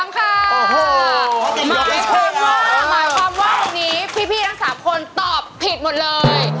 หมายความว่าหมายความว่าวันนี้พี่ทั้ง๓คนตอบผิดหมดเลย